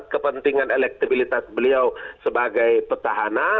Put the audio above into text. kepentingan elektabilitas beliau sebagai petahana